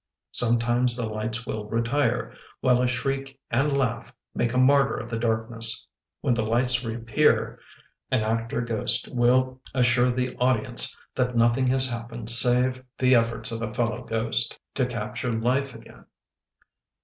Sometimes the lights will retire While a shriek and laugh Make a martyr of the darkness. When the lights reappear An actor ghost will assure the audience That nothing has happened save The efforts of a fellow ghost To capture life again.